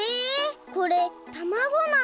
これたまごなの！？